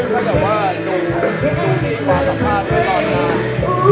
ถ้าเกิดว่าโดยมีความสัมภาษณ์ก็ตอนนั้น